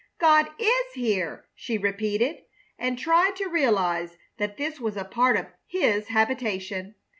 "God is here!" she repeated, and tried to realize that this was a part of His habitation.